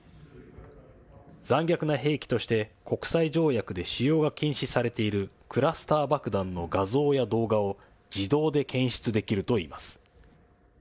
残虐な兵器として国際条約で使用が禁止されているクラスター爆弾の画像や動画を自動で検出できるといいます。